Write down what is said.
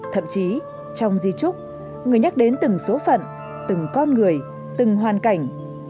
thậm chí trong di trúc người nhắc đến từng số phận từng con người từng hoàn cảnh